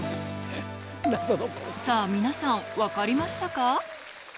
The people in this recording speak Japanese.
さあ、皆さん、分かりましたか？